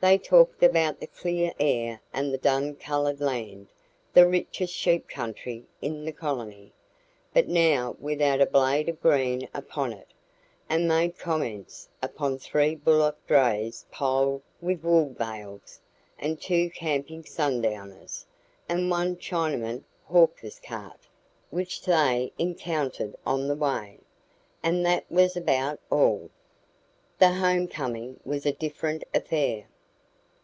They talked about the clear air and the dun coloured land the richest sheep country in the colony, but now without a blade of green upon it and made comments upon three bullock drays piled with wool bales, and two camping sundowners, and one Chinaman hawker's cart, which they encountered on the way. And that was about all. The home coming was a different affair.